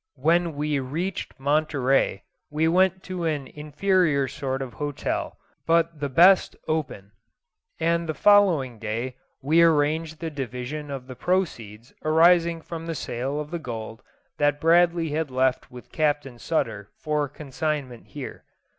When we reached Monterey, we went to an inferior sort of hotel, but the best open; and the following day we arranged the division of the proceeds arising from the sale of the gold that Bradley had left with Captain Sutter for consignment here.